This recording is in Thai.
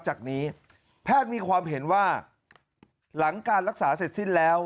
จากนี้แพทย์มีความเห็นว่าหลังการรักษาเสร็จสิ้นแล้ว